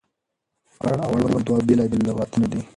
اړه او اړوند دوه بېلابېل لغتونه دي.